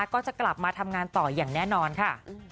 ก็จะกลับมาทำงานต่ออย่างแน่นอนค่ะ